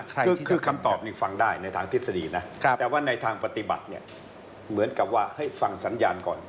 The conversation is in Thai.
คือคำตอบนี่ฟังได้ในทางทฤษฎีนะแต่ว่าในทางปฏิบัติเนี่ยเหมือนกับว่าให้ฟังสัญญาณก่อน